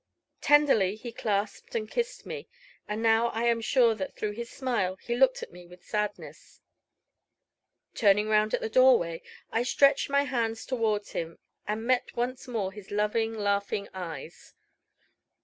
Tenderly he clasped and kissed me, and now I am sure that through his smile he looked at me with sadness. Turning round at the doorway, I stretched my hands towards him, and met once more his loving, laughing eyes.